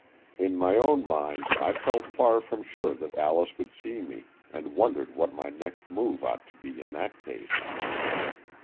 In my own mind I felt far from sure that Alice would see me, and wondered what my next move ought to be in that case.